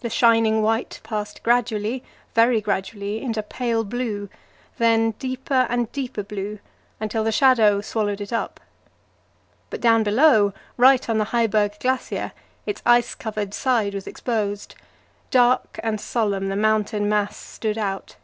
The shining white passed gradually, very gradually, into pale blue, then deeper and deeper blue, until the shadow swallowed it up. But down below, right on the Heiberg Glacier, its ice covered side was exposed dark and solemn the mountain mass stood out.